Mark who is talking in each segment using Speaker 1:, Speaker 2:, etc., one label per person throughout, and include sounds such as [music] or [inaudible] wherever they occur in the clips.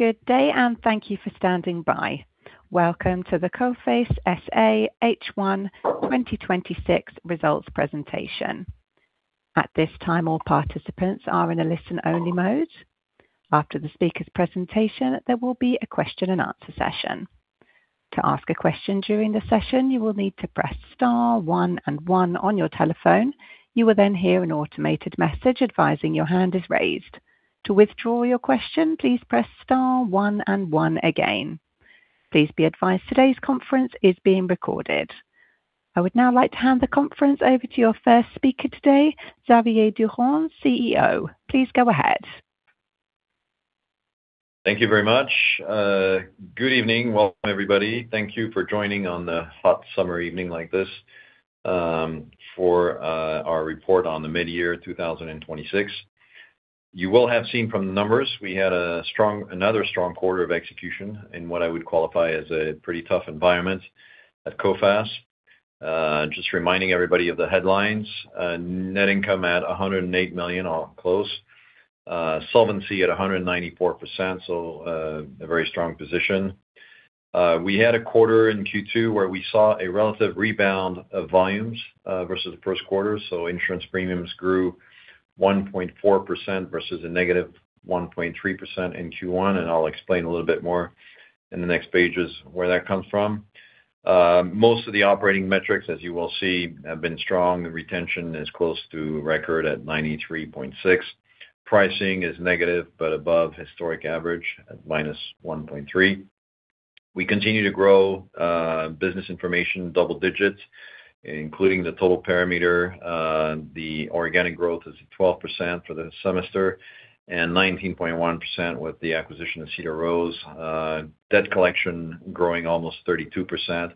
Speaker 1: Good day, and thank you for standing by. Welcome to the Coface SA H1 2026 Results Presentation. At this time, all participants are in a listen-only mode. After the speaker's presentation, there will be a question-and-answer session. To ask a question during the session, you will need to press star one and one on your telephone. You will hear an automated message advising your hand is raised. To withdraw your question, please press star one and one again. Please be advised today's conference is being recorded. I would now like to hand the conference over to your first speaker today, Xavier Durand, CEO. Please go ahead.
Speaker 2: Thank you very much. Good evening. Welcome, everybody. Thank you for joining on the hot summer evening like this for our report on the mid-year 2026. You will have seen from the numbers we had another strong quarter of execution in what I would qualify as a pretty tough environment at Coface. Just reminding everybody of the headlines. Net income at 108 million or close. Solvency at 194%, a very strong position. We had a quarter in Q2 where we saw a relative rebound of volumes versus the first quarter. Insurance premiums grew 1.4% versus a -1.3% in Q1. I'll explain a little bit more in the next pages where that comes from. Most of the operating metrics, as you will see, have been strong. The retention is close to record at 93.6%. Pricing is negative but above historic average at -1.3%. We continue to grow business information double digits, including the total parameter. Organic growth is at 12% for the semester and 19.1% with the acquisition of Cedar Rose. Debt collection growing almost 32%.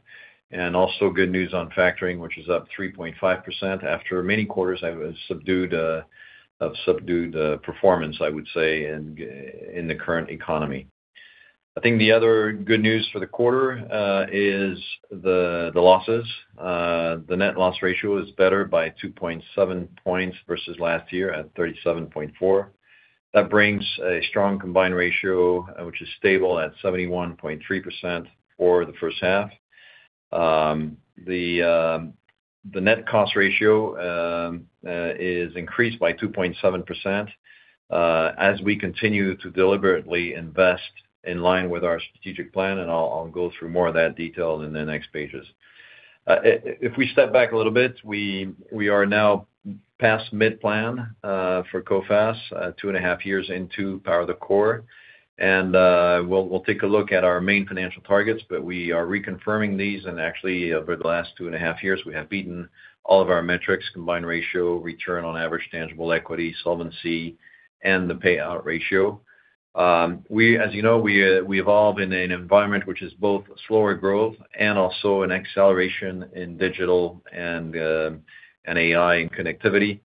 Speaker 2: Also good news on factoring, which is up 3.5% after many quarters of subdued performance, I would say, in the current economy. I think the other good news for the quarter is the losses. The net loss ratio is better by 2.7 points versus last year at 37.4%. That brings a strong combined ratio, which is stable at 71.3% for the first half. The net cost ratio is increased by 2.7% as we continue to deliberately invest in line with our strategic plan. I'll go through more of that detail in the next pages. If we step back a little bit, we are now past mid-plan for Coface, two and a half years into Power the Core. We'll take a look at our main financial targets. We are reconfirming these. Actually, over the last two and a half years, we have beaten all of our metrics: combined ratio, return on average tangible equity, solvency, and the payout ratio. As you know, we evolve in an environment which is both slower growth and also an acceleration in digital and AI and connectivity.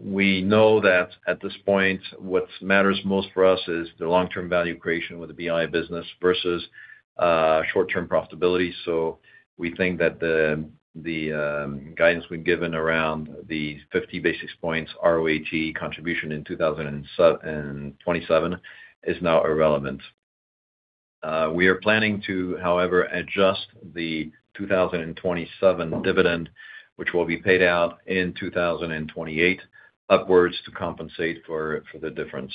Speaker 2: We know that at this point, what matters most for us is the long-term value creation with the BI business versus short-term profitability. We think that the guidance we've given around the 50 basis points RoATE contribution in 2027 is now irrelevant. We are planning to, however, adjust the 2027 dividend, which will be paid out in 2028, upwards to compensate for the difference.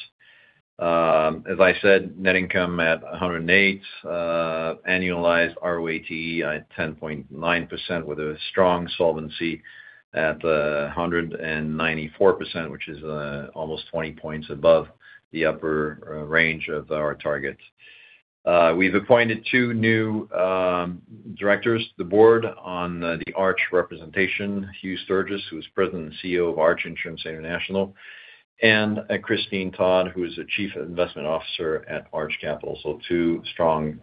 Speaker 2: As I said, net income at 108 million, annualized RoATE at 10.9% with a strong solvency at 194%, which is almost 20 points above the upper range of our targets. We've appointed two new directors to the Board on the Arch representation, Hugh Sturgess, who is President and CEO of Arch Insurance International, and Christine Todd, who is the Chief Investment Officer at Arch Capital. Two strong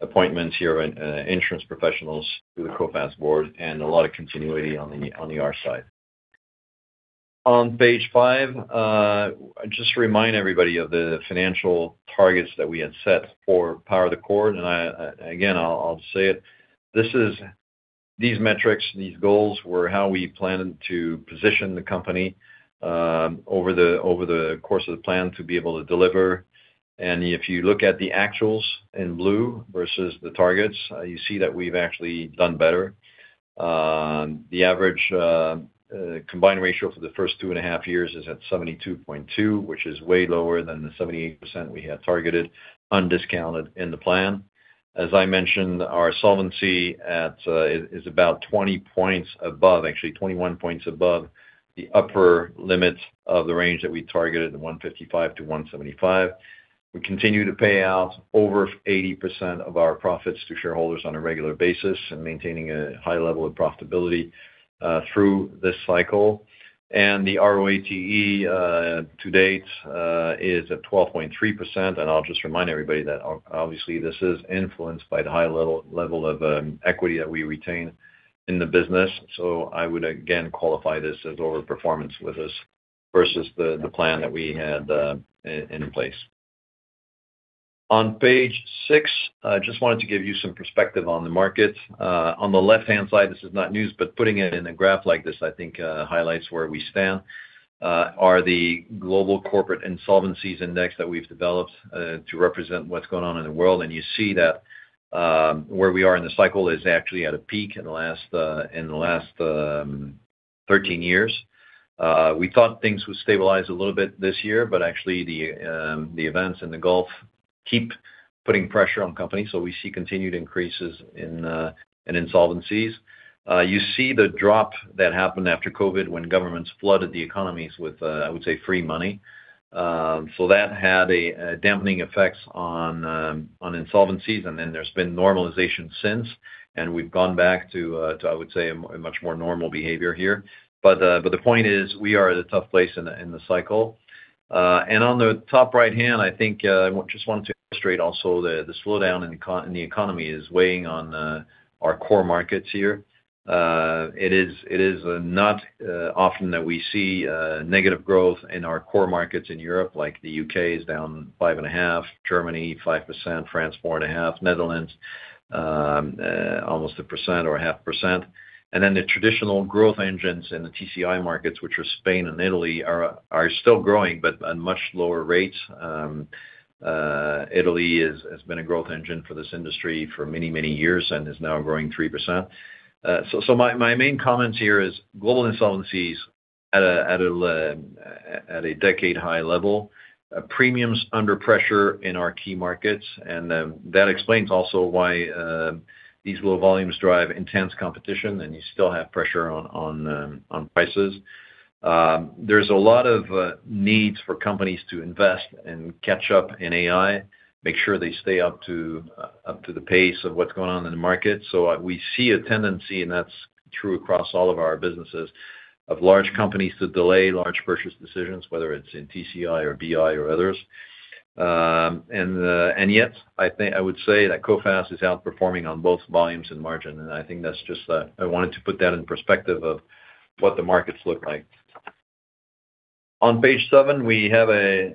Speaker 2: appointments here, insurance professionals to the Coface Board, and a lot of continuity on the Arch side. On page five, just to remind everybody of the financial targets that we had set for Power the Core. Again, I'll say it, these metrics, these goals, were how we planned to position the company over the course of the plan to be able to deliver. If you look at the actuals in blue versus the targets, you see that we've actually done better. The average combined ratio for the first two and a half years is at 72.2%, which is way lower than the 78% we had targeted undiscounted in the plan. As I mentioned, our solvency is about 20 points above, actually 21 points above the upper limit of the range that we targeted, the 155%-175%. We continue to pay out over 80% of our profits to shareholders on a regular basis and maintaining a high level of profitability through this cycle. The RoATE to date is at 12.3%. I'll just remind everybody that obviously this is influenced by the high level of equity that we retain in the business. So I would again qualify this as over-performance with us versus the plan that we had in place. On page six, I just wanted to give you some perspective on the markets. On the left-hand side, this is not news, but putting it in a graph like this, I think, highlights where we stand, are the global corporate insolvencies index that we've developed to represent what's going on in the world. You see that where we are in the cycle is actually at a peak in the last 13 years. We thought things would stabilize a little bit this year, but actually the events in the Gulf keep putting pressure on companies. So we see continued increases in insolvencies. You see the drop that happened after COVID when governments flooded the economies with, I would say, free money. That had a dampening effect on insolvencies, then there's been normalization since, we've gone back to, I would say, a much more normal behavior here. But the point is, we are at a tough place in the cycle. On the top right-hand, I think I just wanted to illustrate also the slowdown in the economy is weighing on our core markets here. It is not often that we see negative growth in our core markets in Europe, like the U.K. is down 5.5%, Germany 5%, France 4.5%, Netherlands almost 1% or 0.5%. Then the traditional growth engines in the TCI markets, which are Spain and Italy, are still growing, but on much lower rates. Italy has been a growth engine for this industry for many, many years and is now growing 3%. My main comments here is global insolvencies at a decade-high level. Premiums under pressure in our key markets. That explains also why these low volumes drive intense competition, and you still have pressure on prices. There's a lot of needs for companies to invest and catch up in AI, make sure they stay up to the pace of what's going on in the market. We see a tendency, and that's true across all of our businesses, of large companies to delay large purchase decisions, whether it's in TCI or BI or others. Yet, I would say that Coface is outperforming on both volumes and margin. I think that's just that I wanted to put that in perspective of what the markets look like. On page seven, we have a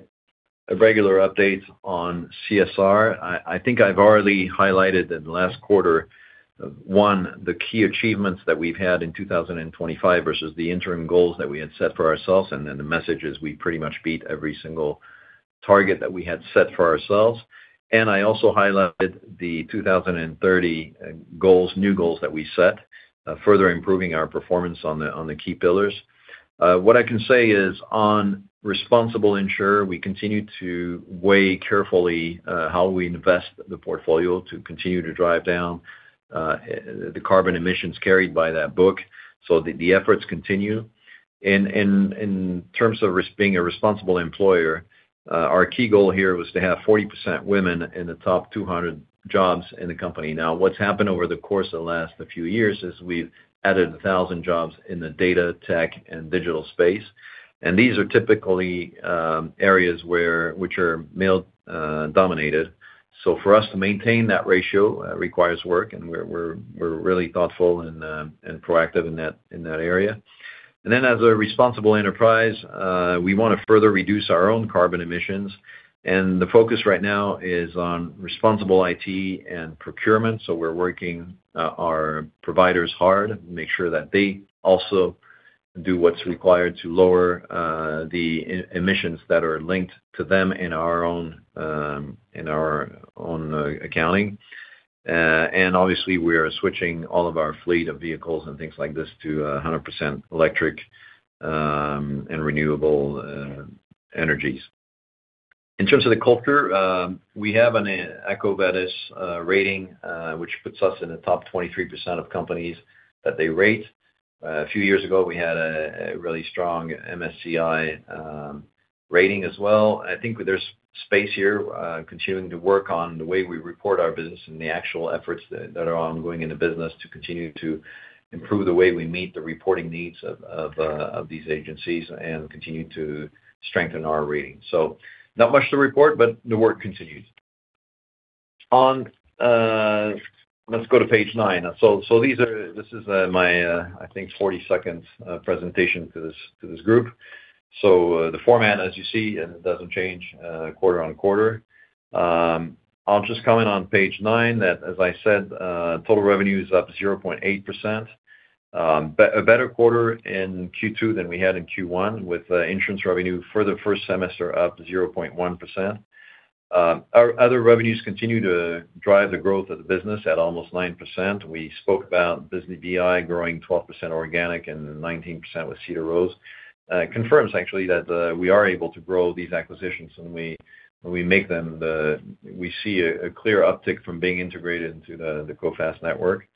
Speaker 2: regular update on CSR. I think I've already highlighted that in the last quarter, one, the key achievements that we've had in 2025 versus the interim goals that we had set for ourselves. The message is we pretty much beat every single target that we had set for ourselves. I also highlighted the 2030 new goals that we set, further improving our performance on the key pillars. What I can say is on responsible insurer, we continue to weigh carefully how we invest the portfolio to continue to drive down the carbon emissions carried by that book. The efforts continue. In terms of being a responsible employer, our key goal here was to have 40% women in the top 200 jobs in the company. Now, what's happened over the course of the last few years is we've added 1,000 jobs in the data, tech, and digital space. These are typically areas which are male-dominated. For us to maintain that ratio requires work, and we're really thoughtful and proactive in that area. As a responsible enterprise, we want to further reduce our own carbon emissions, and the focus right now is on responsible IT and procurement. We're working our providers hard to make sure that they also do what's required to lower the emissions that are linked to them in our own accounting. Obviously, we are switching all of our fleet of vehicles and things like this to 100% electric and renewable energies. In terms of the culture, we have an EcoVadis rating, which puts us in the top 23% of companies that they rate. A few years ago, we had a really strong MSCI rating as well. I think there's space here continuing to work on the way we report our business and the actual efforts that are ongoing in the business to continue to improve the way we meet the reporting needs of these agencies and continue to strengthen our ratings. Not much to report, but the work continues. Let's go to page nine. This is my, I think, 42nd presentation to this group. The format, as you see, and it doesn't change quarter-on-quarter. I'll just comment on page nine that, as I said, total revenue is up 0.8%. A better quarter in Q2 than we had in Q1, with insurance revenue for the first semester up 0.1%. Our other revenues continue to drive the growth of the business at almost 9%. We spoke about Bisnode BI growing 12% organic and 19% with Cedar Rose. Confirms actually that we are able to grow these acquisitions when we make them. We see a clear uptick from being integrated into the Coface network.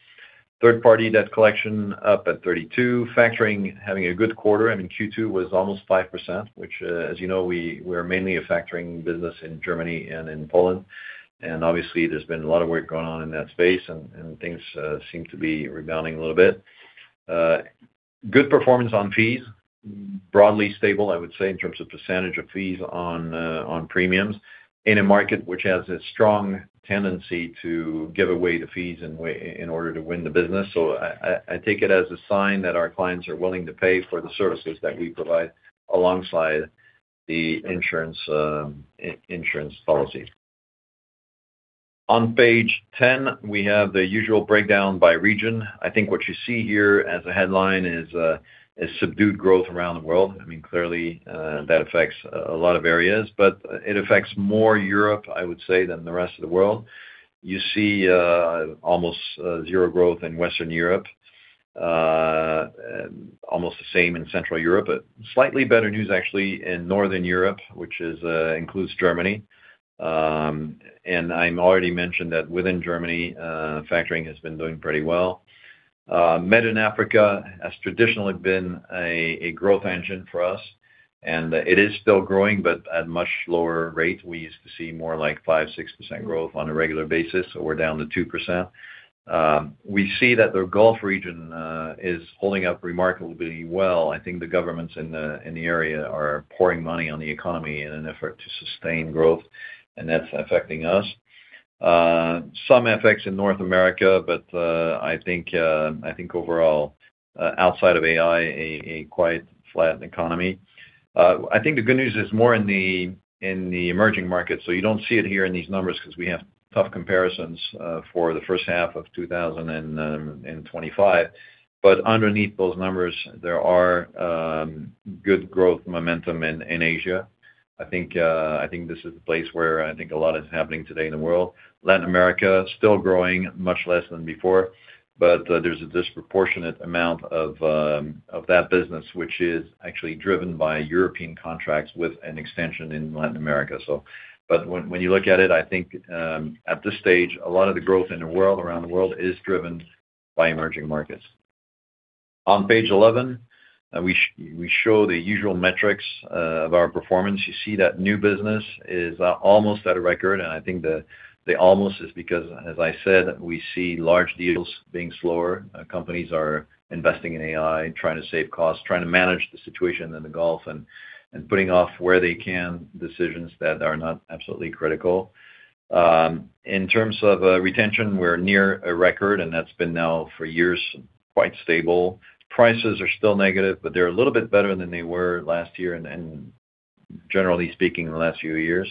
Speaker 2: Third-party debt collection up at 32%, factoring having a good quarter. I mean, Q2 was almost 5%, which, as you know, we are mainly a factoring business in Germany and in Poland. Obviously, there's been a lot of work going on in that space, and things seem to be rebounding a little bit. Good performance on fees, broadly stable, I would say, in terms of percentage of fees on premiums in a market which has a strong tendency to give away the fees in order to win the business. I take it as a sign that our clients are willing to pay for the services that we provide alongside the insurance policies. On page 10, we have the usual breakdown by region. I think what you see here as a headline is subdued growth around the world. Clearly that affects a lot of areas, but it affects more Europe, I would say, than the rest of the world. You see almost zero growth in Western Europe, almost the same in Central Europe, but slightly better news actually in Northern Europe, which includes Germany. I already mentioned that within Germany, factoring has been doing pretty well. Mediterranean and Africa has traditionally been a growth engine for us, and it is still growing, but at much lower rate. We used to see more like 5%, 6% growth on a regular basis, so we're down to 2%. We see that the Gulf region is holding up remarkably well. I think the governments in the area are pouring money on the economy in an effort to sustain growth, and that's affecting us. Some effects in North America, but I think overall, outside of AI, a quite flat economy. I think the good news is more in the emerging markets. You don't see it here in these numbers because we have tough comparisons for the first half of 2025. Underneath those numbers, there are good growth momentum in Asia. I think this is the place where I think a lot is happening today in the world. Latin America, still growing much less than before, but there's a disproportionate amount of that business, which is actually driven by European contracts with an extension in Latin America. When you look at it, I think at this stage, a lot of the growth around the world is driven by emerging markets. On page 11, we show the usual metrics of our performance. You see that new business is almost at a record, and I think the almost is because, as I said, we see large deals being slower. Companies are investing in AI and trying to save costs, trying to manage the situation in the Gulf, and putting off where they can decisions that are not absolutely critical. In terms of retention, we're near a record, and that's been now for years quite stable. Prices are still negative, but they're a little bit better than they were last year, and generally speaking, the last few years.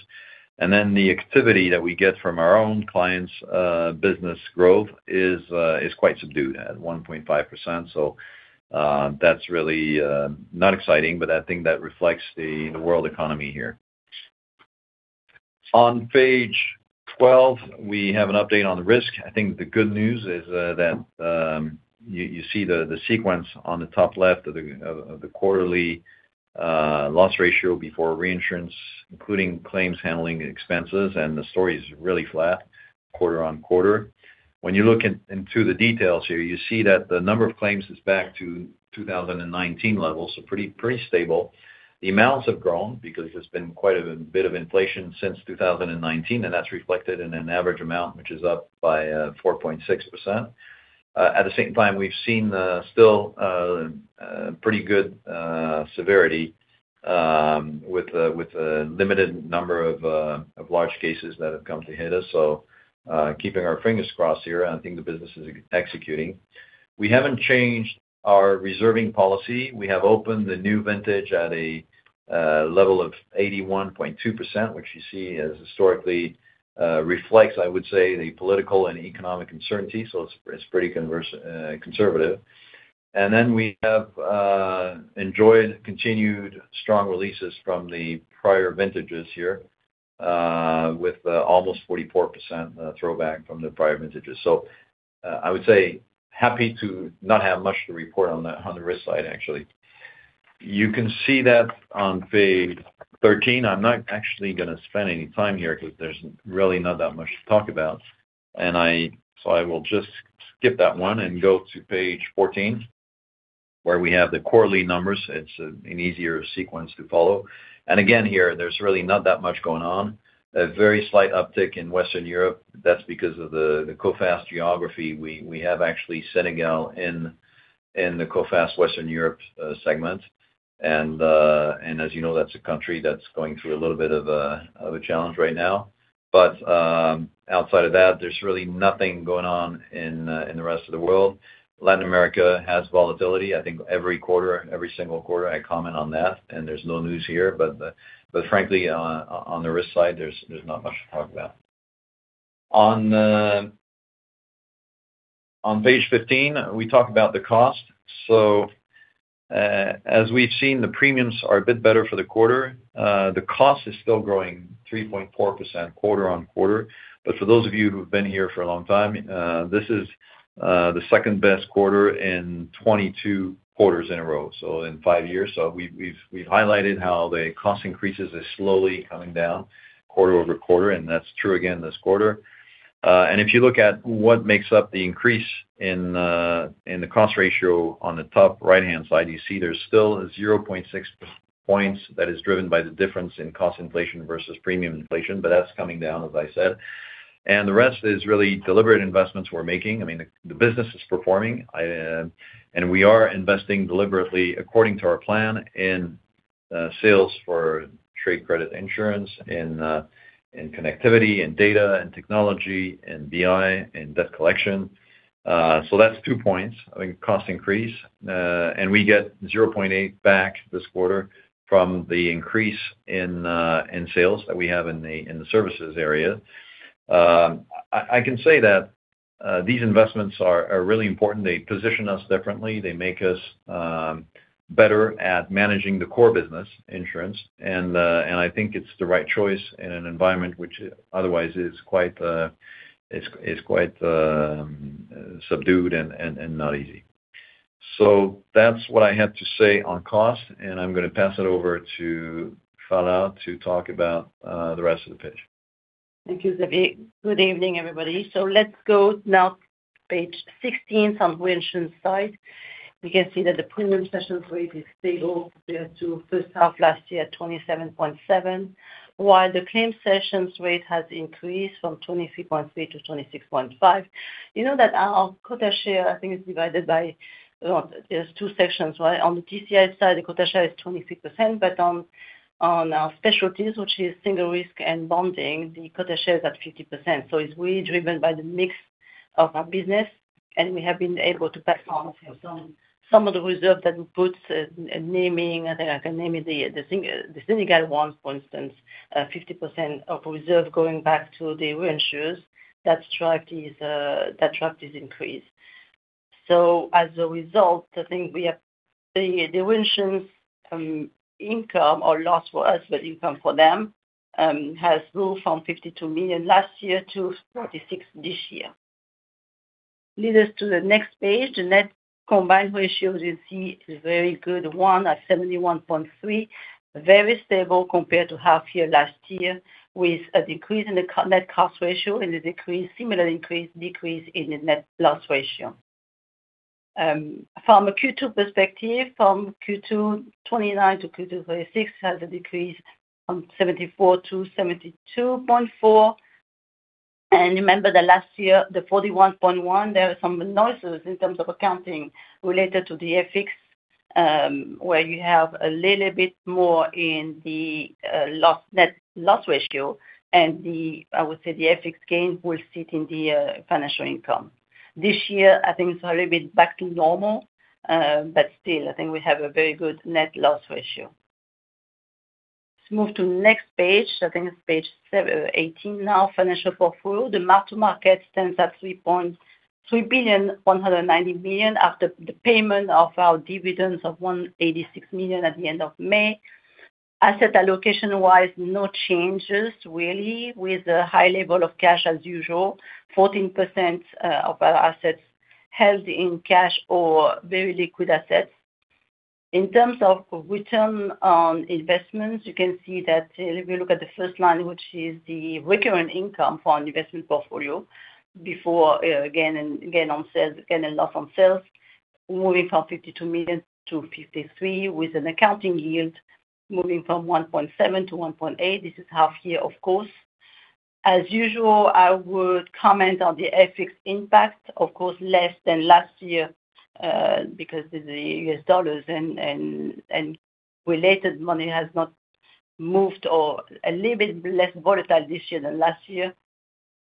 Speaker 2: Then the activity that we get from our own clients' business growth is quite subdued at 1.5%. That's really not exciting, but I think that reflects the world economy here. On page 12, we have an update on the risk. I think the good news is that you see the sequence on the top left of the quarterly loss ratio before reinsurance, including claims handling expenses, and the story is really flat quarter-on-quarter. When you look into the details here, you see that the number of claims is back to 2019 levels, pretty stable. The amounts have grown because there's been quite a bit of inflation since 2019, and that's reflected in an average amount which is up by 4.6%. At the same time, we've seen still pretty good severity with the limited number of large cases that have come to hit us. Keeping our fingers crossed here. I think the business is executing. We haven't changed our reserving policy. We have opened the new vintage at a level of 81.2%, which you see historically reflects, I would say, the political and economic uncertainty. It's pretty conservative. We have enjoyed continued strong releases from the prior vintages here with almost 44% throwback from the prior vintages. I would say, happy to not have much to report on the risk side, actually. You can see that on page 13. I'm not actually going to spend any time here because there's really not that much to talk about. I will just skip that one and go to page 14, where we have the quarterly numbers. It's an easier sequence to follow. Again, here, there's really not that much going on. A very slight uptick in Western Europe. That's because of the Coface geography. We have actually Senegal in the Coface Western Europe segment. As you know, that's a country that's going through a little bit of a challenge right now. Outside of that, there's really nothing going on in the rest of the world. Latin America has volatility. I think every single quarter, I comment on that, and there's no news here. Frankly, on the risk side, there's not much to talk about. On page 15, we talk about the cost. As we've seen, the premiums are a bit better for the quarter. The cost is still growing 3.4% quarter-on-quarter. For those of you who have been here for a long time, this is the second-best quarter in 22 quarters in a row. In five years. We've highlighted how the cost increases are slowly coming down quarter-over-quarter, and that's true again this quarter. If you look at what makes up the increase in the cost ratio on the top right-hand side, you see there's still a 0.6 points that is driven by the difference in cost inflation versus premium inflation, that's coming down, as I said. The rest is really deliberate investments we're making. The business is performing. We are investing deliberately according to our plan in sales for trade credit insurance, in connectivity, in data and technology, in BI, in debt collection. That's two points of cost increase. We get 0.8% back this quarter from the increase in sales that we have in the services area. I can say that these investments are really important. They position us differently. They make us better at managing the core business insurance. I think it's the right choice in an environment which otherwise is quite subdued and not easy. That's what I have to say on cost, and I'm going to pass it over to Phalla to talk about the rest of the pitch.
Speaker 3: Thank you, Xavier. Good evening, everybody. Let's go now to page 16. From reinsurance side, we can see that the premium cession rate is stable compared to first half last year at 27.7%, while the claims cession rate has increased from 23.3%-23.5%. You know that our quota share, I think, is divided by, well, there's two sections. On the TCI side, the quota share is 23%, but on our specialties, which is single risk and bonding, the quota share is at 50%. It's really driven by the mix of our business, and we have been able to pass on some of the reserve that we put in naming. I think I can name the Senegal one, for instance, 50% of reserve going back to the reinsurers. That drive is increased. As a result, I think the reinsurers income or loss for us, but income for them, has moved from 52 million last year to 46 million this year. Leads us to the next page. The net combined ratio, you see is a very good one at 71.3%. Very stable compared to half year last year, with an increase in the net cost ratio and a similar decrease in the net loss ratio. From a Q2 perspective, from Q2 2025 to Q2 2026, has a decrease from 74%-72.4%. Remember the last year, the 41.1%, there are some noises in terms of accounting related to the FX, where you have a little bit more in the net loss ratio. I would say the FX gain will sit in the financial income. This year, I think it's a little bit back to normal. Still, I think we have a very good net loss ratio. Let's move to the next page. I think it's page 18 now. Financial portfolio. The mark-to-market stands at 3.3 billion, 190 million after the payment of our dividends of 186 million at the end of May. Asset allocation-wise, no changes really, with a high level of cash as usual, 14% of our assets held in cash or very liquid assets. In terms of return on investments, you can see that if you look at the first line, which is the recurrent income for our investment portfolio before gain and loss on sales, moving from 52 million-53 million with an accounting yield moving from 1.7%-1.8%. This is half year, of course. As usual, I would comment on the FX impact. Of course, less than last year, because the U.S. dollars and related money has not moved or a little bit less volatile this year than last year.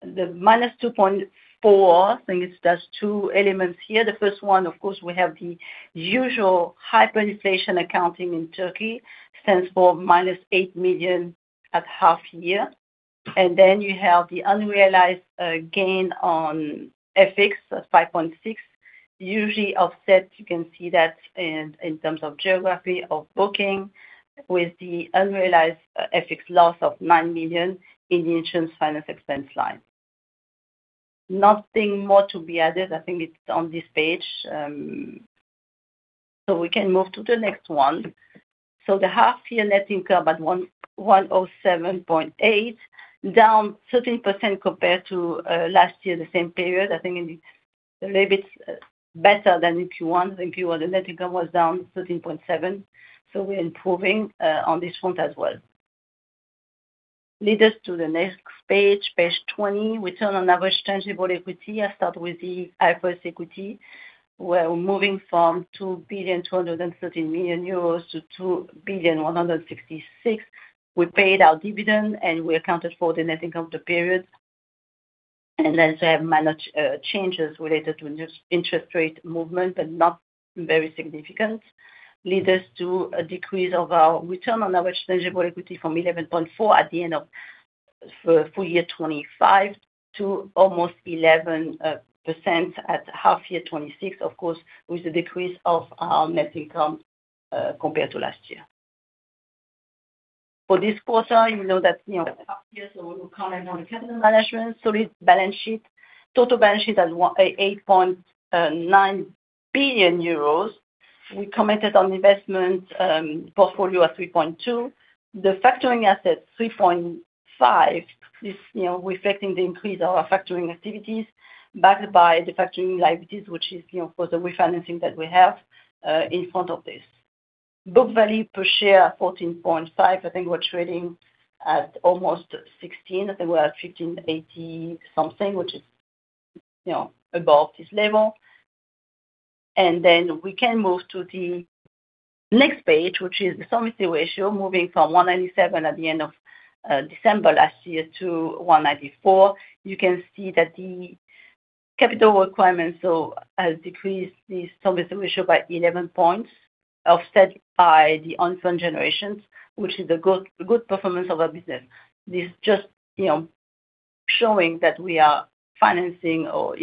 Speaker 3: The -2.4 million, I think there are two elements here. The first one, of course, we have the usual hyperinflation accounting in Turkey, stands for -8 million at half year. You have the unrealized gain on FX of 5.6 million, usually offset, you can see that in terms of geography of booking with the unrealized FX loss of 9 million in the insurance finance expense line. Nothing more to be added. I think it is on this page. We can move to the next one. The half year net income at 107.8 million, down 13% compared to last year, the same period. I think a little bit better than in Q1. In Q1, the net income was down 13.7%. We are improving on this front as well. Leads us to the next page 20. Return on Average Tangible Equity. I start with the IFRS equity. We are moving from 2.213 billion to 2.166 billion. We paid our dividend, and we accounted for the net income of the period. As I have managed changes related to interest rate movement, but not very significant. Leads us to a decrease of our Return on average tangible equity from 11.4% at the end of full year 2025 to almost 11% at half year 2026, of course, with the decrease of our net income compared to last year. For this quarter, you know that half year, we will comment on the capital management, solid balance sheet. Total balance sheet at 8.9 billion euros. We commented on investment portfolio at 3.2 billion. The factoring assets, 3.5 billion, is reflecting the increase of our factoring activities backed by the factoring liabilities, which is for the refinancing that we have in front of this. Book value per share, 14.5. I think we are trading at almost 16. I think we are at 15.80-something, which is above this level. We can move to the next page, which is the solvency ratio, moving from 197% at the end of December last year to 194%. You can see that the capital requirements have decreased the solvency ratio by 11 points. Offset by the [inaudible] generations, which is the good performance of our business. This just showing that we are financing our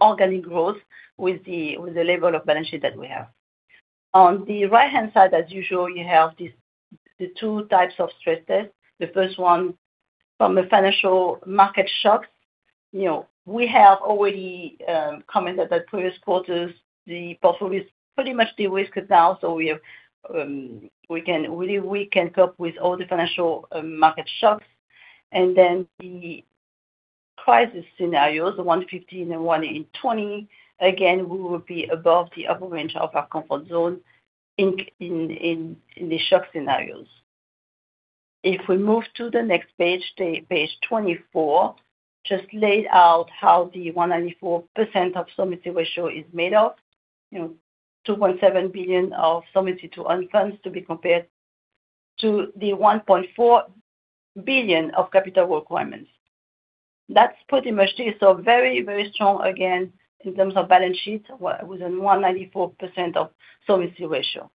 Speaker 3: organic growth with the level of balance sheet that we have. On the right-hand side, as usual, you have the two types of stress tests. The first one from a financial market shocks. We have already commented that previous quarters, the portfolio is pretty much de-risked now, we can cope with all the financial market shocks. The crisis scenarios, the one in 15 and one in 20. Again, we will be above the upper range of our comfort zone in the shock scenarios. If we move to the next page 24, just laid out how the 194% of solvency ratio is made of. 2.7 billion of solvency to unfunds to be compared to the 1.4 billion of capital requirements. That is pretty much it. Very, very strong again, in terms of balance sheet, within 194% of solvency ratio.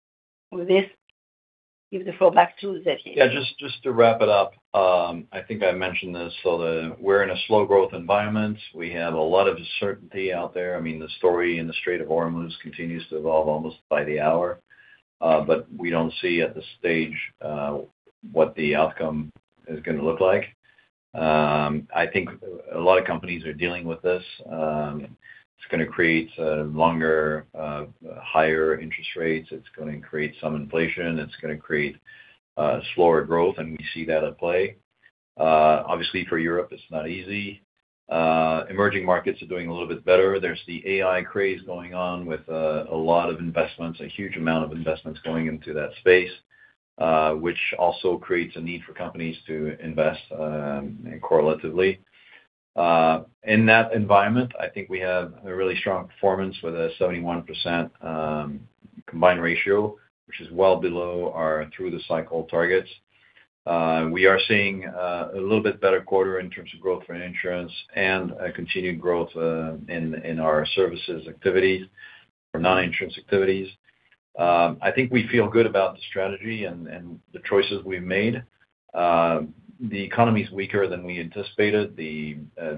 Speaker 3: With this, if we go back to Xavier.
Speaker 2: Just to wrap it up. I think I mentioned this. We're in a slow growth environment. We have a lot of uncertainty out there. I mean, the story in the Strait of Hormuz continues to evolve almost by the hour. We don't see at this stage what the outcome is going to look like. I think a lot of companies are dealing with this. It's going to create longer, higher interest rates. It's going to create some inflation. It's going to create slower growth. We see that at play. Obviously, for Europe, it's not easy. Emerging markets are doing a little bit better. There's the AI craze going on with a lot of investments, a huge amount of investments going into that space, which also creates a need for companies to invest correlatively. In that environment, I think we have a really strong performance with a 71% combined ratio, which is well below our through-the-cycle targets. We are seeing a little bit better quarter in terms of growth for insurance and a continued growth in our services activities or non-insurance activities. I think we feel good about the strategy and the choices we've made. The economy's weaker than we anticipated. The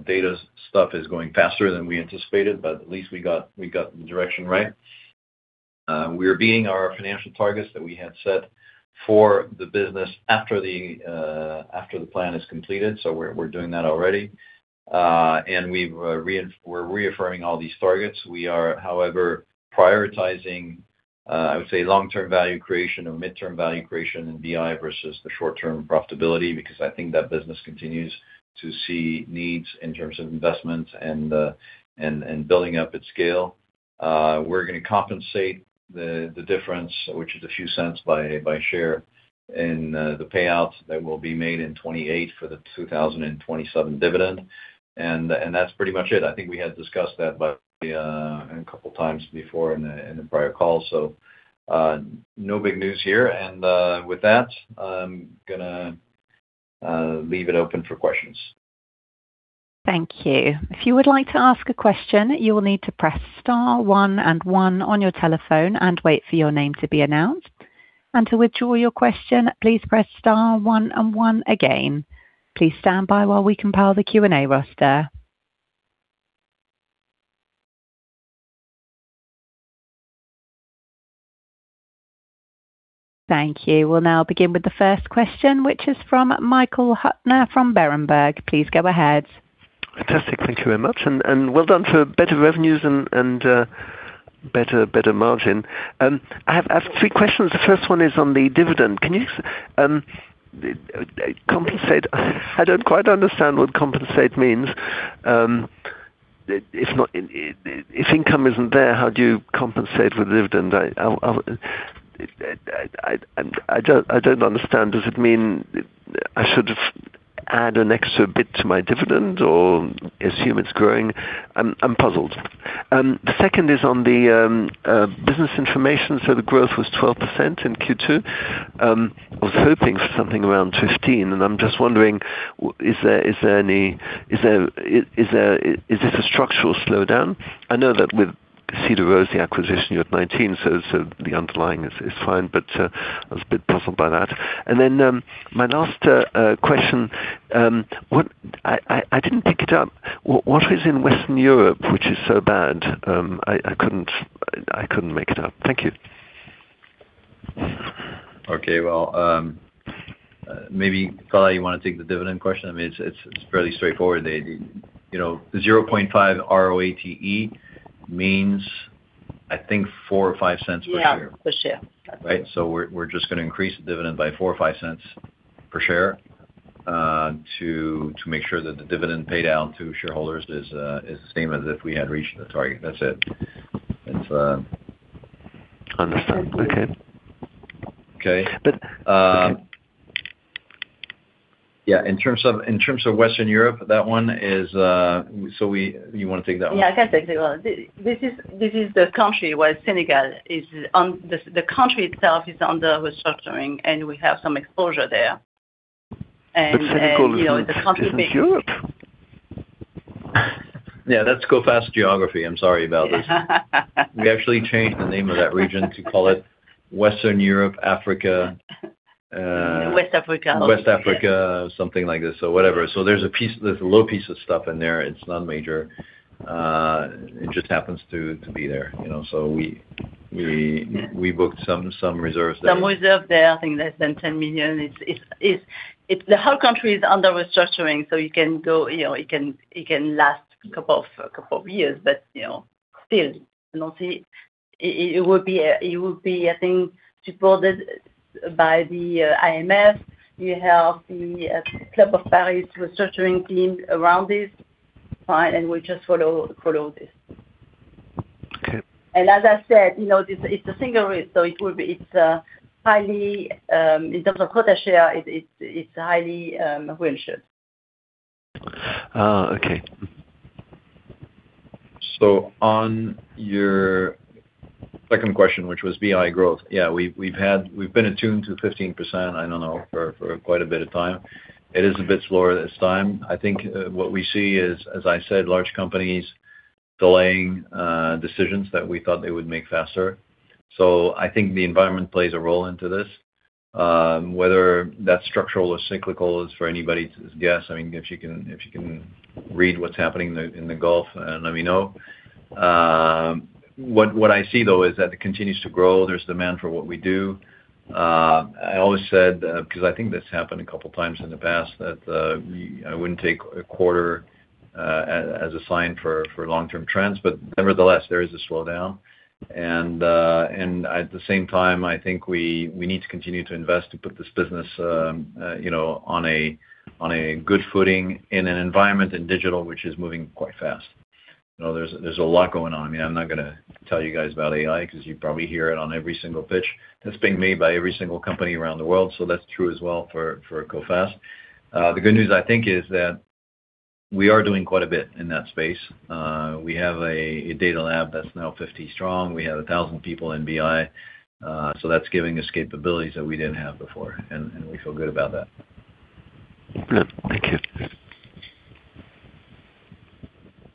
Speaker 2: data stuff is going faster than we anticipated. At least we got the direction right. We're beating our financial targets that we had set for the business after the plan is completed. We're doing that already. We're reaffirming all these targets. We are, however, prioritizing, I would say, long-term value creation or midterm value creation in BI versus the short-term profitability, because I think that business continues to see needs in terms of investment and building up at scale. We're going to compensate the difference, which is a few cents by share in the payouts that will be made in 2028 for the 2027 dividend. That's pretty much it. I think we had discussed that a couple times before in the prior call. No big news here. With that, I'm going to leave it open for questions.
Speaker 1: Thank you. If you would like to ask a question, you will need to press star one and one on your telephone and wait for your name to be announced. To withdraw your question, please press star one and one again. Please stand by while we compile the Q&A roster. Thank you. We'll now begin with the first question, which is from Michael Huttner from Berenberg. Please go ahead.
Speaker 4: Fantastic. Thank you very much. Well done for better revenues and better margin. I have three questions. The first one is on the dividend. I don't quite understand what compensate means. If income isn't there, how do you compensate for dividend? I don't understand. Does it mean I should add an extra bit to my dividend or assume it's growing? I'm puzzled. The second is on the business information. The growth was 12% in Q2. I was hoping for something around 15%. I'm just wondering, is this a structural slowdown? I know that with Cedar Rose, the acquisition you had 19%. The underlying is fine, but I was a bit puzzled by that. My last question. I didn't pick it up. What is in Western Europe, which is so bad? I couldn't make it out. Thank you.
Speaker 2: Maybe, Phalla, you want to take the dividend question? I mean, it's fairly straightforward. The 0.5% RoATE means, I think, 0.04 or 0.05 per share.
Speaker 3: Per share.
Speaker 2: We're just going to increase the dividend by 0.04 or 0.05 per share to make sure that the dividend paydown to shareholders is the same as if we had reached the target. That's it.
Speaker 4: Understood. Okay.
Speaker 2: Okay.
Speaker 4: But-
Speaker 2: Yeah. In terms of Western Europe, that one is you want to take that one?
Speaker 3: Yeah, I can take that one. This is the country where Senegal the country itself is under restructuring, we have some exposure there.
Speaker 4: Senegal isn't Europe.
Speaker 2: Yeah, that's Coface geography. I'm sorry about this. We actually changed the name of that region to call it Western Europe, Africa-
Speaker 3: West Africa. Okay.
Speaker 2: West Africa, something like this. Whatever. There's a little piece of stuff in there. It's non-major. It just happens to be there. We booked some reserves there.
Speaker 3: Some reserve there, I think less than 10 million. The whole country is under restructuring, so it can last a couple of years but still, it will be, I think, supported by the IMF. You have the Club de Paris restructuring team around this. Fine. We'll just follow this.
Speaker 2: Okay.
Speaker 3: As I said, it's a single risk, so in terms of quota share, it's highly reinsured.
Speaker 2: Okay. On your second question, which was BI growth. Yeah, we've been attuned to 15%, I don't know, for quite a bit of time. It is a bit slower this time. I think what we see is, as I said, large companies delaying decisions that we thought they would make faster. I think the environment plays a role into this. Whether that's structural or cyclical is for anybody to guess. If you can read what's happening in the Gulf, let me know. What I see, though, is that it continues to grow. There's demand for what we do. I always said, because I think this happened a couple of times in the past, that I wouldn't take a quarter as a sign for long-term trends, but nevertheless, there is a slowdown, and at the same time, I think we need to continue to invest to put this business on a good footing in an environment in digital, which is moving quite fast. There's a lot going on. I'm not going to tell you guys about AI because you probably hear it on every single pitch that's being made by every single company around the world. That's true as well for Coface. The good news, I think, is that we are doing quite a bit in that space. We have a Data Lab that's now 50 strong. We have 1,000 people in BI. That's giving us capabilities that we didn't have before, and we feel good about that.
Speaker 4: Good. Thank you.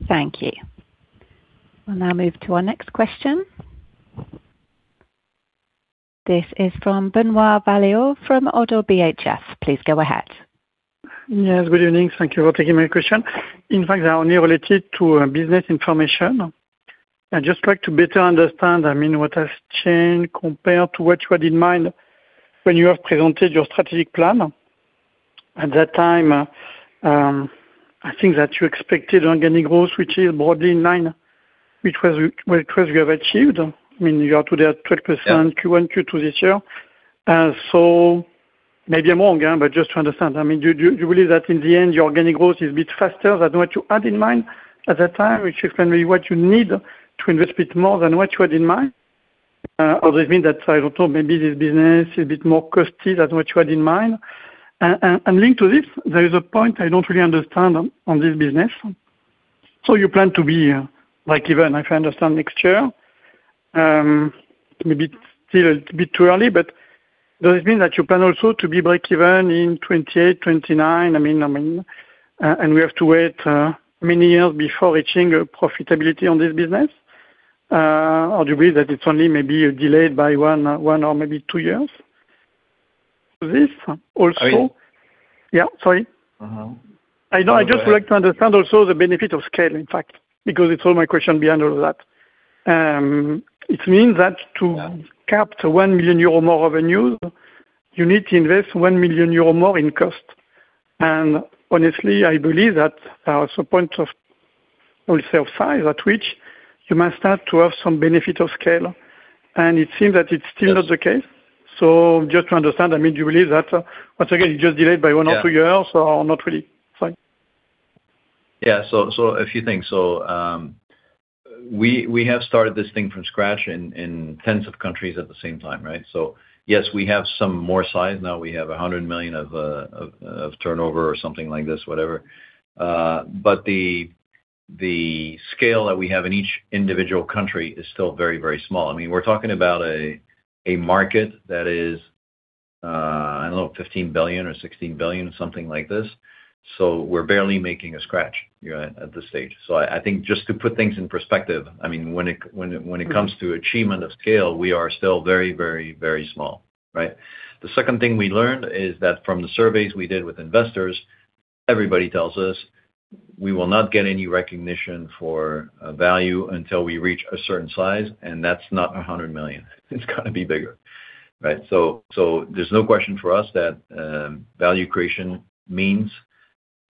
Speaker 1: Thank you. We'll now move to our next question. This is from Benoît Valleaux, from Oddo BHF. Please go ahead.
Speaker 5: Yes, good evening. Thank you for taking my question. In fact, they are only related to business information. I'd just like to better understand what has changed compared to what you had in mind when you have presented your strategic plan. At that time, I think that you expected organic growth, which is broadly in line, which we have achieved. You are today at 12%-
Speaker 2: Yeah.
Speaker 5: Q2 this year. Maybe I'm wrong, but just to understand, do you believe that in the end, your organic growth is a bit faster than what you had in mind at that time, which can be what you need to invest a bit more than what you had in mind? Or does it mean that, I don't know, maybe this business is a bit more costly than what you had in mind? Linked to this, there is a point I don't really understand on this business. You plan to be breakeven, if I understand, next year. Maybe still a bit too early, but does it mean that you plan also to be breakeven in 2028, 2029, and we have to wait many years before reaching profitability on this business? Or do you believe that it's only maybe delayed by one or maybe two years? This also-
Speaker 2: Are you-
Speaker 5: Yeah, sorry.
Speaker 2: No, go ahead.
Speaker 5: I just would like to understand also the benefit of scale, in fact, because it's all my question behind all that. It means that to cap to 1 million euro more revenue, you need to invest 1 million euro more in cost. Honestly, I believe that there is a point of, we'll say, of size at which you may start to have some benefit of scale.
Speaker 2: Yes.
Speaker 5: And it seems it's still not the case. Just to understand, do you believe that, once again, you're just delayed by one or two years?
Speaker 2: Yeah.
Speaker 5: Or not really? Sorry.
Speaker 2: Yeah. A few things. We have started this thing from scratch in tens of countries at the same time, right? Yes, we have some more size now. We have 100 million of turnover or something like this, whatever. But the scale that we have in each individual country is still very small. We're talking about a market that is, I don't know, 15 billion or 16 billion, something like this. We're barely making a scratch at this stage. I think just to put things in perspective, when it comes to achievement of scale, we are still very small. Right? The second thing we learned is that from the surveys we did with investors, everybody tells us we will not get any recognition for value until we reach a certain size, and that's not 100 million. It's got to be bigger, right? There's no question for us that value creation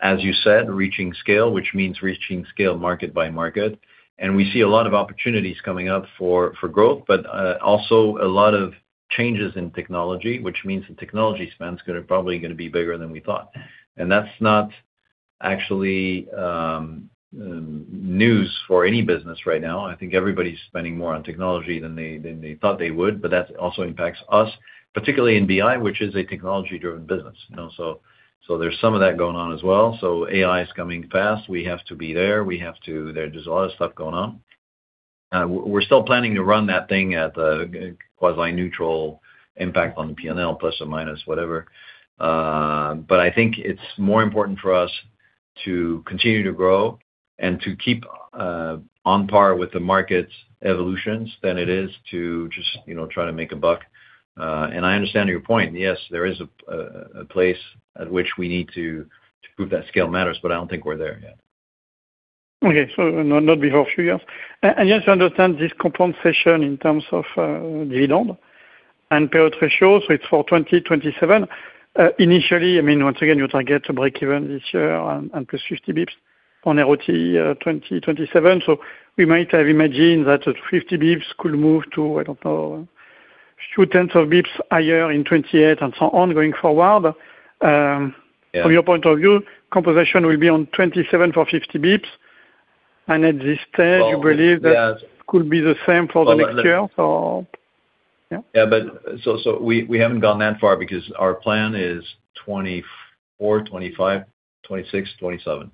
Speaker 2: means, as you said, reaching scale, which means reaching scale market by market. We see a lot of opportunities coming up for growth, but also a lot of changes in technology, which means the technology spend's probably going to be bigger than we thought. That's not actually news for any business right now. I think everybody's spending more on technology than they thought they would, but that also impacts us, particularly in BI, which is a technology-driven business. There's some of that going on as well. AI is coming fast. We have to be there. There's a lot of stuff going on. We're still planning to run that thing at the quasi-neutral impact on P&L, plus or minus, whatever. I think it's more important for us to continue to grow and to keep on par with the market's evolutions than it is to just try to make a buck. I understand your point. Yes, there is a place at which we need to prove that scale matters, but I don't think we're there yet.
Speaker 5: Okay. Not before a few years. Yes, I understand this compensation in terms of dividend and payout ratio, it's for 2027. Initially, once again, you target to break even this year and +50 basis points on RoATE 2027. We might have imagined that 50 basis points could move to, I don't know, 2/10 of basis points higher in 2028 and so on going forward.
Speaker 2: Yeah.
Speaker 5: From your point of view, compensation will be on 2027 for 50 basis points, at this stage, you believe that could be the same for the next year, Yeah.
Speaker 2: Yeah. We haven't gone that far because our plan is 2024, 2025, 2026, 2027.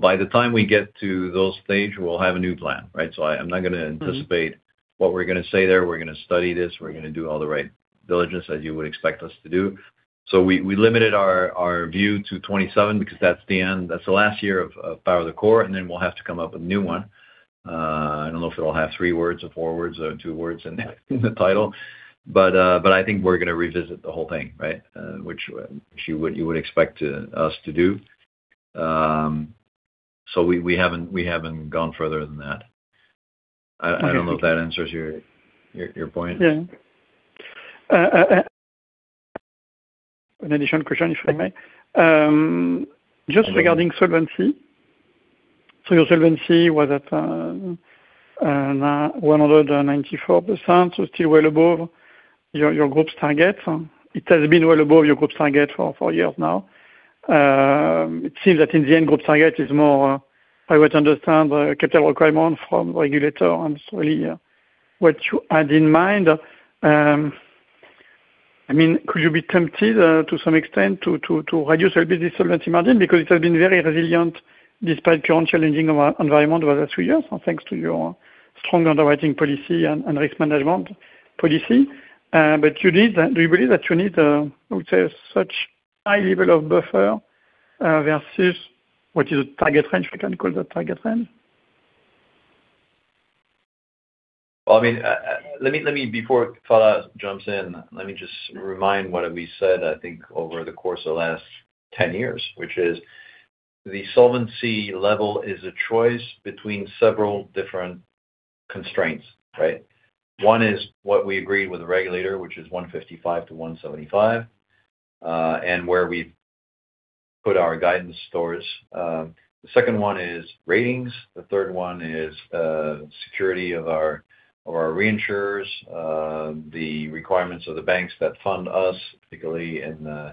Speaker 2: By the time we get to those stage, we'll have a new plan, right? I'm not going to anticipate what we're going to say there. We're going to study this. We're going to do all the right diligence as you would expect us to do. We limited our view to 2027 because that's the last year of Power the Core, and then we'll have to come up with a new one. I don't know if it'll have three words or four words or two words in the title, but I think we're going to revisit the whole thing, which you would expect us to do. We haven't gone further than that. I don't know if that answers your point.
Speaker 5: An additional question, if I may. Just regarding solvency. Your solvency was at 194%, still well above your group's target. It has been well above your group's target for four years now. It seems that in the end, group target is more how I understand the capital requirement from regulator and really what you had in mind. Could you be tempted, to some extent, to reduce a bit this solvency margin? Because it has been very resilient despite current challenging environment over the three years, and thanks to your strong underwriting policy and risk management policy. Do you believe that you need, I would say, such high level of buffer versus what is the target range, if we can call that target range?
Speaker 2: Before Phalla jumps in, let me just remind what have we said, I think, over the course of the last 10 years, which is the solvency level is a choice between several different constraints, right? One is what we agreed with the regulator, which is 155-175%, and where we put our guidance stores. The second one is ratings. The third one is security of our reinsurers, the requirements of the banks that fund us, particularly in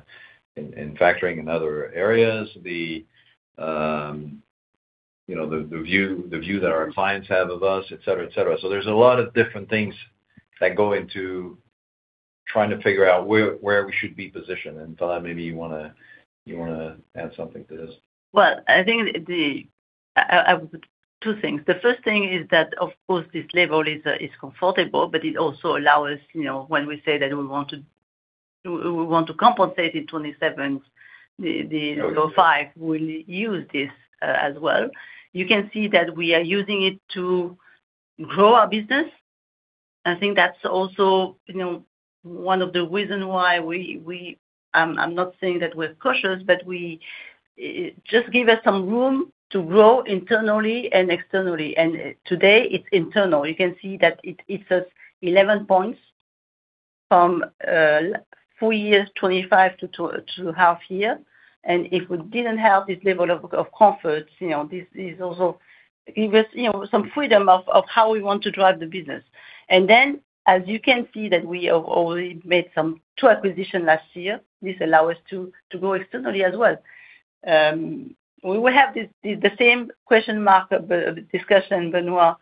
Speaker 2: factoring in other areas. The view that our clients have of us, et cetera. There's a lot of different things that go into trying to figure out where we should be positioned. Phalla, maybe you want to add something to this?
Speaker 3: Well, I think two things. The first thing is that, of course, this level is comfortable, but it also allow us, when we say that we want to compensate in 2027, the low five will use this as well. You can see that we are using it to grow our business. I think that's also one of the reason why we. I'm not saying that we're cautious, but just give us some room to grow internally and externally. Today it's internal. You can see that it's just 11 points from full year 2025 to half year. If we didn't have this level of comfort, this also give us some freedom of how we want to drive the business. Then, as you can see that we have already made two acquisition last year. This allow us to grow externally as well. We will have the same question mark of discussion, Benoît,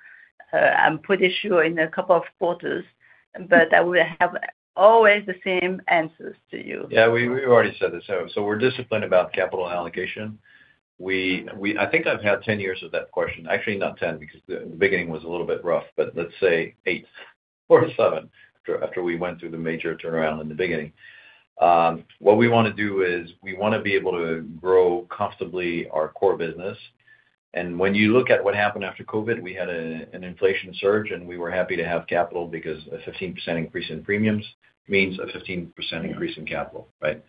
Speaker 3: I'm pretty sure, in a couple of quarters. I will have always the same answers to you.
Speaker 2: We already said this. We're disciplined about capital allocation. I think I've had 10 years of that question. Actually, not 10 years, because the beginning was a little bit rough, but let's say eight or seven, after we went through the major turnaround in the beginning. What we want to do is we want to be able to grow comfortably our core business. When you look at what happened after COVID, we had an inflation surge, and we were happy to have capital because a 15% increase in premiums means a 15% increase in capital, right?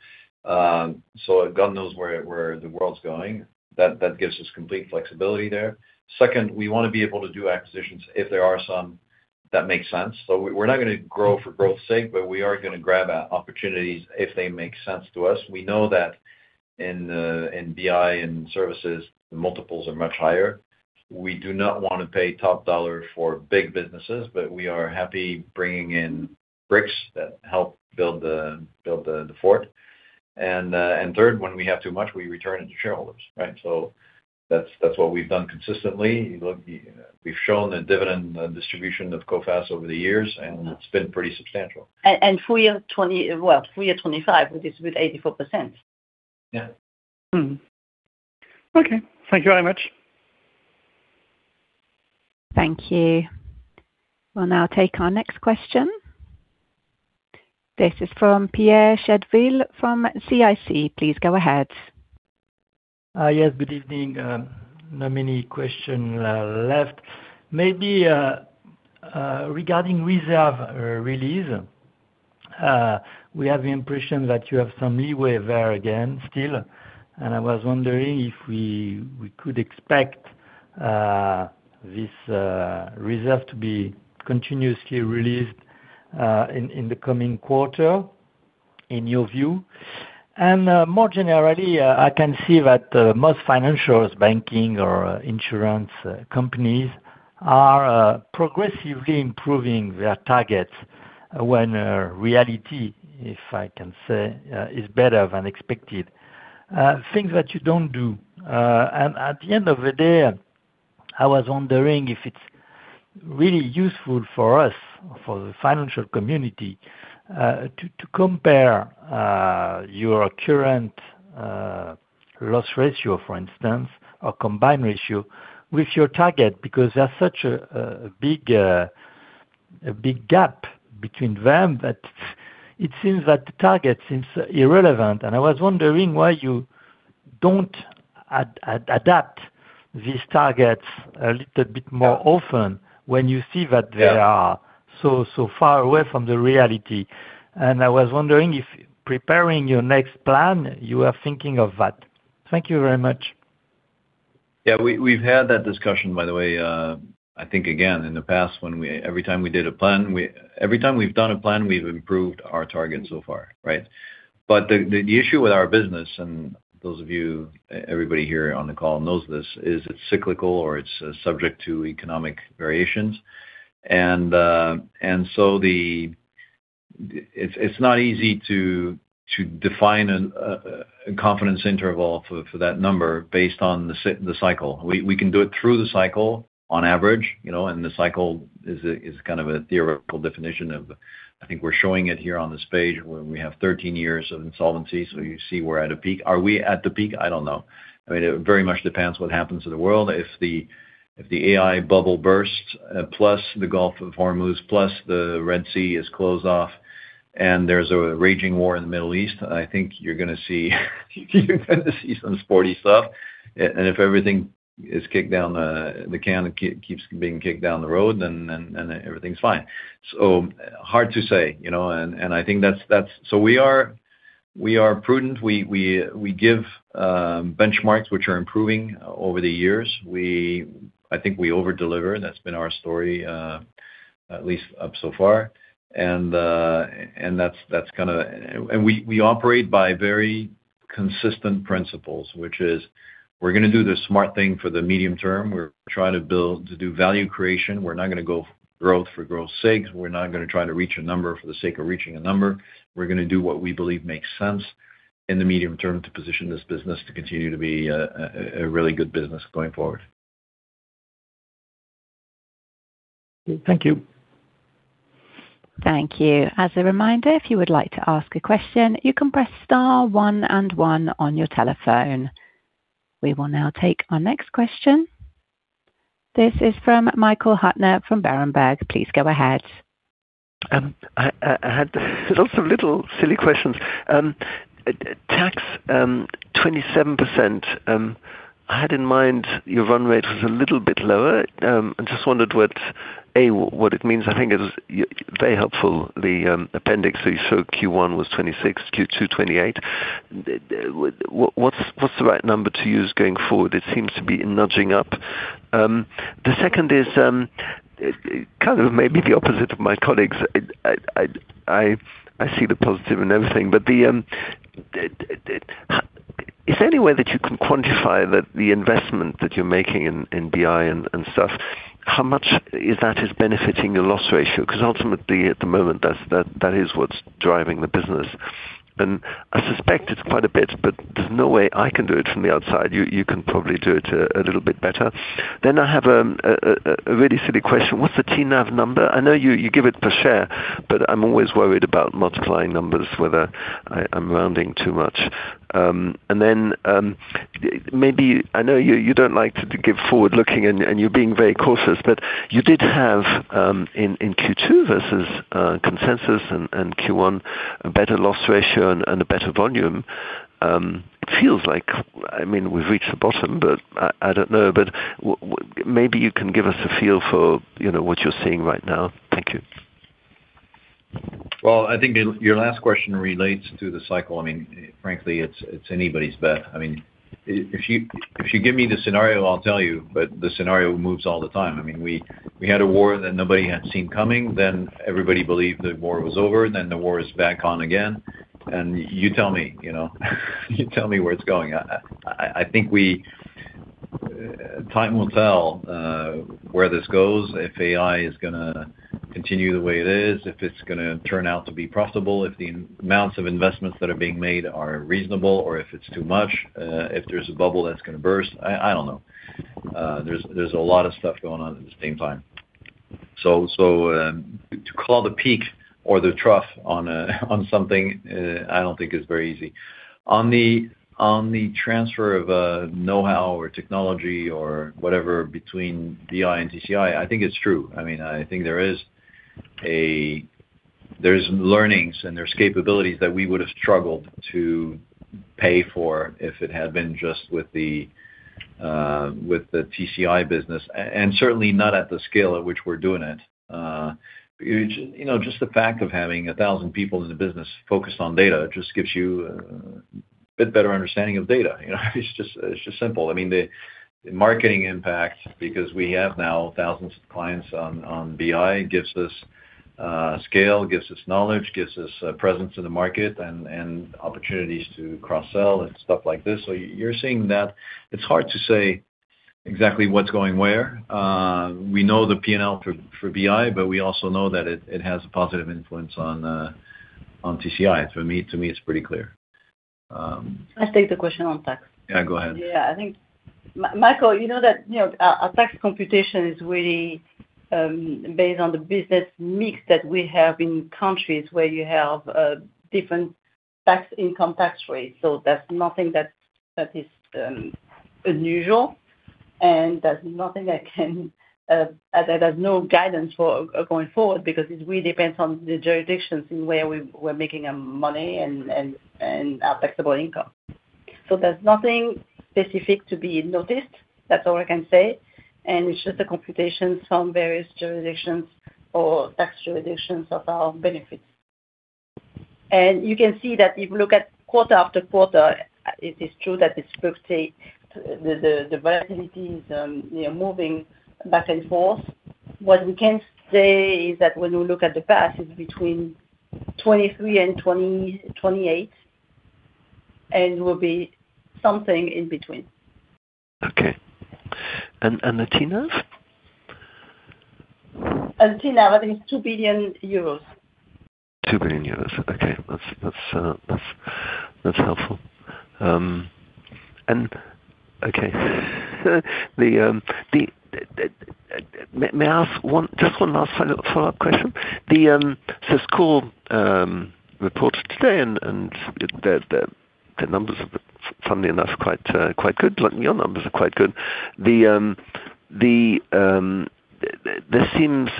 Speaker 2: God knows where the world's going. That gives us complete flexibility there. Second, we want to be able to do acquisitions if there are some that make sense. We're not going to grow for growth's sake, but we are going to grab opportunities if they make sense to us. We know that in BI and services, the multiples are much higher. We do not want to pay top dollar for big businesses, but we are happy bringing in bricks that help build the fort. Third, when we have too much, we return it to shareholders, right? That's what we've done consistently. We've shown the dividend distribution of Coface over the years, and it's been pretty substantial.
Speaker 3: Full year, 2025, we distribute 84%.
Speaker 2: Yeah.
Speaker 5: Okay. Thank you very much.
Speaker 1: Thank you. We'll now take our next question. This is from Pierre Chedeville from CIC. Please go ahead.
Speaker 6: Yes, good evening. Not many questions are left. Maybe regarding reserve release, we have the impression that you have some leeway there again, still. I was wondering if we could expect this reserve to be continuously released in the coming quarter, in your view. More generally, I can see that most financials, banking or insurance companies are progressively improving their targets when reality, if I can say, is better than expected. Things that you don't do. At the end of the day, I was wondering if it's really useful for us, for the financial community, to compare your current loss ratio, for instance, or combined ratio with your target, because there's such a big gap between them that it seems that the target seems irrelevant. I was wondering why you don't adapt these targets a little bit more often when you see that they are so far away from the reality. I was wondering if preparing your next plan, you are thinking of that. Thank you very much.
Speaker 2: Yeah. We've had that discussion, by the way, I think again, in the past, every time we've done a plan, we've improved our target so far, right? The issue with our business, and those of you, everybody here on the call knows this, is it's cyclical or it's subject to economic variations. It's not easy to define a confidence interval for that number based on the cycle. We can do it through the cycle on average, and the cycle is kind of a theoretical definition of, I think we're showing it here on this page where we have 13 years of insolvency. You see we're at a peak. Are we at the peak? I don't know. It very much depends what happens to the world. If the AI bubble bursts, plus the Gulf of Hormuz, plus the Red Sea is closed off, and there's a raging war in the Middle East, I think you're going to see some sporty stuff. If everything is kicked down the can, keeps being kicked down the road, then everything's fine. Hard to say. We are prudent. We give benchmarks which are improving over the years. I think we over-deliver. That's been our story, at least so far. We operate by very consistent principles, which is we're going to do the smart thing for the medium term. We're trying to build, to do value creation. We're not going to go growth for growth's sake. We're not going to try to reach a number for the sake of reaching a number. We're going to do what we believe makes sense in the medium term to position this business to continue to be a really good business going forward.
Speaker 6: Thank you.
Speaker 1: Thank you. As a reminder, if you would like to ask a question, you can press star one and one on your telephone. We will now take our next question. This is from Michael Huttner from Berenberg. Please go ahead.
Speaker 4: I had lots of little silly questions. Tax 27%, I had in mind your run rate was a little bit lower. I just wondered, A, what it means. I think it was very helpful, the appendix that you showed Q1 was 26%, Q2 28%. What's the right number to use going forward? It seems to be nudging up. The second is maybe the opposite of my colleagues. I see the positive in everything, but is there any way that you can quantify that the investment that you're making in BI and stuff, how much is that is benefiting your loss ratio? Because ultimately at the moment, that is what's driving the business. I suspect it's quite a bit, but there's no way I can do it from the outside. You can probably do it a little bit better. I have a really silly question. What's the TNAV number? I know you give it per share, but I'm always worried about multiplying numbers, whether I'm rounding too much. Maybe I know you don't like to give forward-looking, and you're being very cautious, but you did have in Q2 versus consensus and Q1, a better loss ratio and a better volume. It feels like, we've reached the bottom, but I don't know. Maybe you can give us a feel for what you're seeing right now. Thank you.
Speaker 2: I think your last question relates to the cycle. Frankly, it's anybody's bet. If you give me the scenario, I'll tell you, but the scenario moves all the time. We had a war that nobody had seen coming, then everybody believed the war was over, then the war is back on again, and you tell me where it's going. I think time will tell where this goes, if AI is going to continue the way it is, if it's going to turn out to be profitable, if the amounts of investments that are being made are reasonable or if it's too much, if there's a bubble that's going to burst. I don't know. There's a lot of stuff going on at the same time. To call the peak or the trough on something, I don't think is very easy. On the transfer of know-how or technology or whatever, between BI and TCI, I think it's true. I think there's learnings and there's capabilities that we would've struggled to pay for if it had been just with the TCI business, and certainly not at the scale at which we're doing it. Just the fact of having 1,000 people in the business focused on data just gives you a bit better understanding of data. It's just simple. The marketing impact, because we have now thousands of clients on BI, gives us scale, gives us knowledge, gives us presence in the market and opportunities to cross-sell and stuff like this. You're seeing that it's hard to say exactly what's going where. We know the P&L for BI, but we also know that it has a positive influence on TCI. To me, it's pretty clear.
Speaker 3: I'll take the question on tax.
Speaker 2: Yeah, go ahead.
Speaker 3: Yeah. Michael, you know that our tax computation is really based on the business mix that we have in countries where you have different income tax rates. That's nothing that is unusual, and there's no guidance for going forward because it really depends on the jurisdictions in where we're making our money and our taxable income. There's nothing specific to be noticed. That's all I can say, it's just a computation from various jurisdictions or tax jurisdictions of our benefits. You can see that if you look at quarter- after-quarter, it is true that it's 50 basis points. The variability is moving back and forth. What we can say is that when you look at the past, it's between 23 and 28, and it will be something in between.
Speaker 4: Okay. The TNAV?
Speaker 3: TNAV, I think it's EUR 2 billion.
Speaker 4: EUR 2 billion. Okay. That's helpful. Okay, may I ask just one last follow-up question? Cisco reported today and their numbers are, funnily enough, quite good, like your numbers are quite good. There seems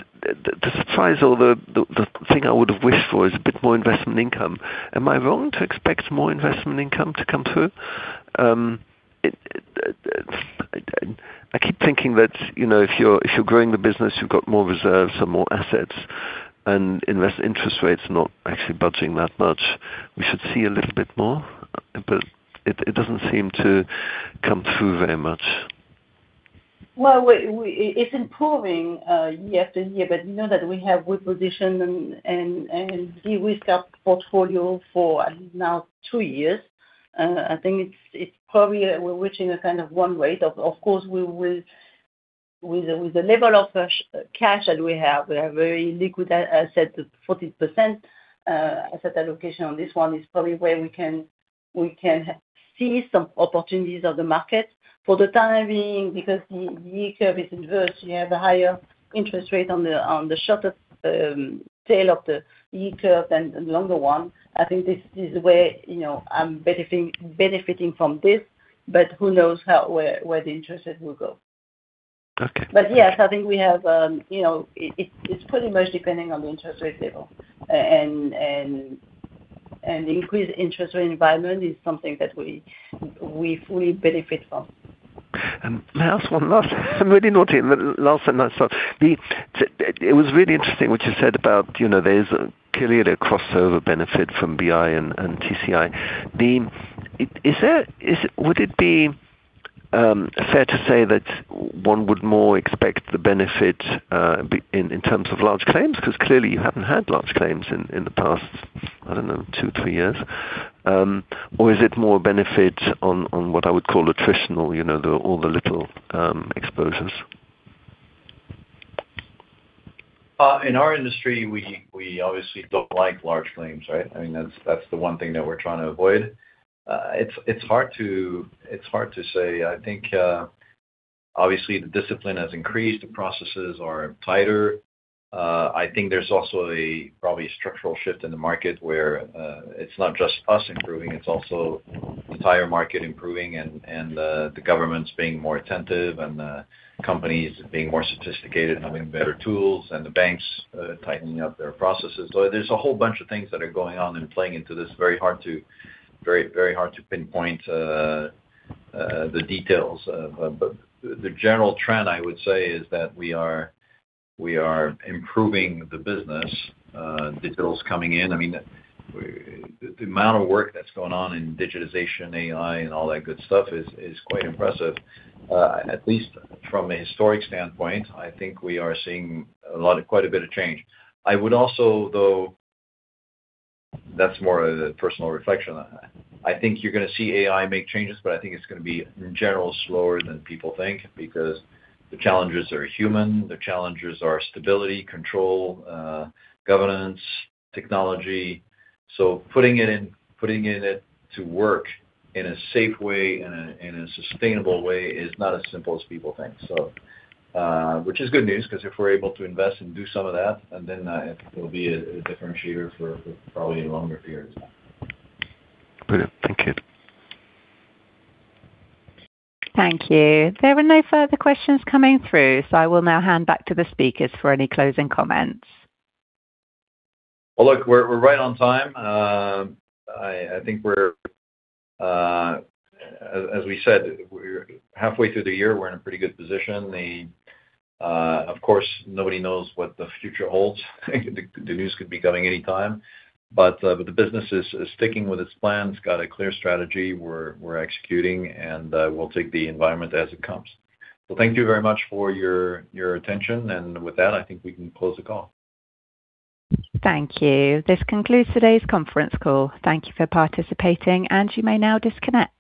Speaker 4: the surprise or the thing I would've wished for is a bit more investment income. Am I wrong to expect more investment income to come through? I keep thinking that if you're growing the business, you've got more reserves or more assets and invest interest rates not actually budging that much. We should see a little bit more, but it doesn't seem to come through very much.
Speaker 3: Well, it's improving year after year, but you know that we have repositioned and de-risked our portfolio for, I think now two years. I think it's probably we're reaching a kind of [1% rate]. Of course with the level of cash that we have, we have very liquid assets at 40% asset allocation on this one is probably where we can see some opportunities of the market. For the time being, because the yield curve is inverse, you have a higher interest rate on the shorter tail of the yield curve than the longer one. I think this is where I'm benefiting from this, but who knows where the interest rate will go.
Speaker 4: Okay.
Speaker 3: Yes, I think it's pretty much depending on the interest rate level. Increased interest rate environment is something that we fully benefit from.
Speaker 4: May I ask one last, I'm really naughty, last one. It was really interesting what you said about there's clearly a crossover benefit from BI and TCI. Would it be fair to say that one would more expect the benefit in terms of large claims, because clearly you haven't had large claims in the past, I don't know, two, three years? Or is it more benefit on what I would call attritional, all the little exposures?
Speaker 2: In our industry, we obviously don't like large claims, right? That's the one thing that we're trying to avoid. It's hard to say. I think, obviously the discipline has increased. The processes are tighter. I think there's also probably a structural shift in the market where it's not just us improving, it's also the entire market improving and the governments being more attentive and the companies being more sophisticated and having better tools and the banks tightening up their processes. There's a whole bunch of things that are going on and playing into this. Very hard to pinpoint the details. The general trend, I would say, is that we are improving the business, the bills coming in. The amount of work that's going on in digitization, AI, and all that good stuff is quite impressive. At least from a historic standpoint, I think we are seeing quite a bit of change. I would also though, that's more of the personal reflection. I think you're going to see AI make changes, but I think it's going to be, in general, slower than people think because the challenges are human, the challenges are stability, control, governance, technology. Putting it in to work in a safe way and in a sustainable way is not as simple as people think. Which is good news because if we're able to invest and do some of that, then it will be a differentiator for probably longer periods.
Speaker 4: Brilliant. Thank you.
Speaker 1: Thank you. There were no further questions coming through. I will now hand back to the speakers for any closing comments.
Speaker 2: Well, look, we're right on time. I think as we said, we're halfway through the year. We're in a pretty good position. Of course, nobody knows what the future holds. The news could be coming any time. The business is sticking with its plans, got a clear strategy. We're executing. We'll take the environment as it comes. Well, thank you very much for your attention. With that, I think we can close the call.
Speaker 1: Thank you. This concludes today's conference call. Thank you for participating. You may now disconnect.